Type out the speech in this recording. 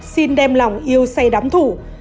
xin đem lòng yêu say đám thủ